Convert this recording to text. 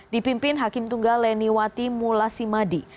dipimpin hakim tunggal leniwati mulasimadi